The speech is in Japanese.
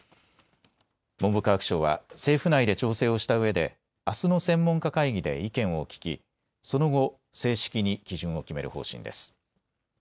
文部科学省は政府内で調整をしたうえであすの専門家会議で意見を聴きその後、正式に基準を決める方針です。